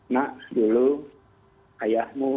nak dulu ayahmu